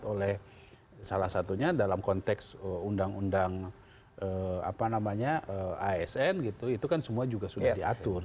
oleh salah satunya dalam konteks undang undang asn gitu itu kan semua juga sudah diatur